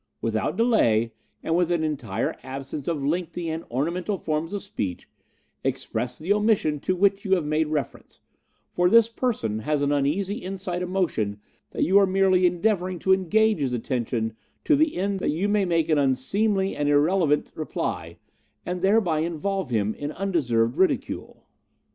'Without delay, and with an entire absence of lengthy and ornamental forms of speech, express the omission to which you have made reference; for this person has an uneasy inside emotion that you are merely endeavouring to engage his attention to the end that you may make an unseemly and irrelevant reply, and thereby involve him in an undeserved ridicule.